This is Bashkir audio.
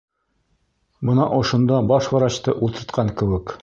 Бына ошонда баш врачты ултыртҡан кеүек.